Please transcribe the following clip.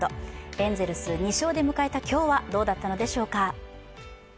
エンゼルス２勝で迎えた今日はどうだったのでしょうか。